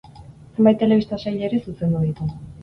Zenbait telebista-sail ere zuzendu ditu.